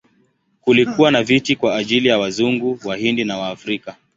Kulikuwa na viti kwa ajili ya Wazungu, Wahindi na Waafrika.